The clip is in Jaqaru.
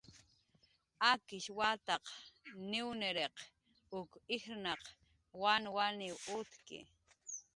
Akish wataq niwniriq uk ijrnaq wanwaniw utki